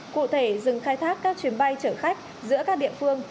cụ thể dừng khai thác các chuyến bay chở khách giữa các địa phương